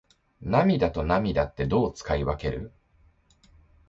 涙と泪ってどう使い分ける？